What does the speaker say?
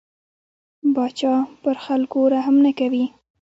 پاچا پر خلکو رحم نه کوي.